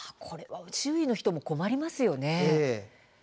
周囲の人も困りますね。